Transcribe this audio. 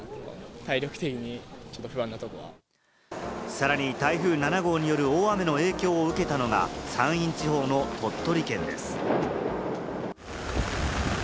さらに台風７号による大雨の影響を受けたのが、山陰地方の鳥取県です。